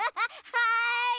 はい。